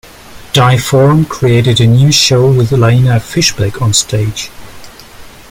Die Form created a new show with Laina Fischbeck on stage.